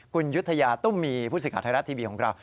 คุณยุทยาตุ้มมีพูดสิทธิ์ขาดไทยรัตน์ทีวีของเรา